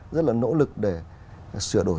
rất là nỗ lực để sửa đổi